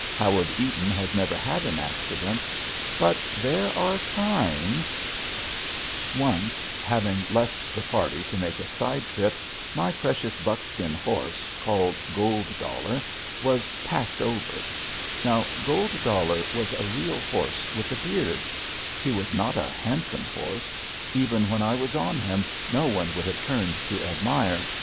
Howard Eaton has never had an accident. But there are times [Illustration: GOLD DOLLAR, THE AUTHOR'S BUCKSKIN HORSE] Once, having left the party to make a side trip, my precious buckskin horse called "Gold Dollar" was "packed" over. Now, Gold Dollar was a real horse with a beard. He was not a handsome horse. Even when I was on him, no one would have turned to admire.